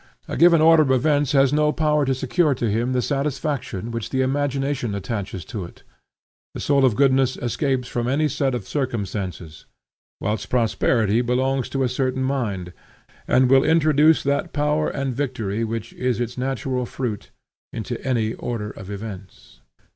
A given order of events has no power to secure to him the satisfaction which the imagination attaches to it; the soul of goodness escapes from any set of circumstances; whilst prosperity belongs to a certain mind, and will introduce that power and victory which is its natural fruit, into any order of events.